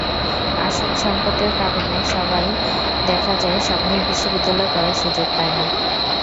আসন সংকটের কারণে সবাই দেখা যায় স্বপ্নের বিশ্ববিদ্যালয়ে পড়ার সুযোগ পায় না।